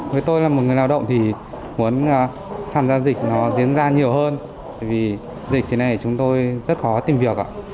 với tôi là một người lao động thì muốn tham gia dịch nó diễn ra nhiều hơn vì dịch thế này chúng tôi rất khó tìm việc ạ